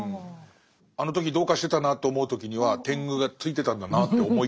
あの時どうかしてたなと思う時には天狗がついてたんだなって思いたいみたいな。